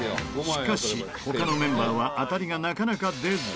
しかし他のメンバーは当たりがなかなか出ず。